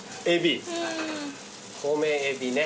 米エビね。